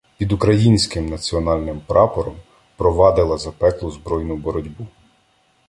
Під українським національним прапором провадила запеклу збройну боротьбу